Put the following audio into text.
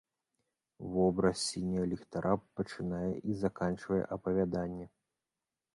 Вобраз сіняга ліхтара пачынае і заканчвае апавяданне.